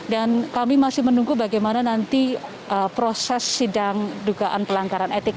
dan kami masih menunggu bagaimana nanti proses sidang dugaan pelanggaran etik